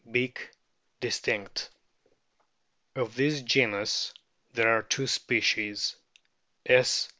Beak distinct. Of this genus there are two species, S.